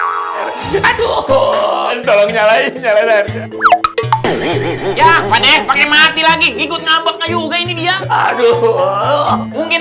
aduh tolong nyalain ya pake mati lagi ikut nabok ayo ini dia aduh mungkin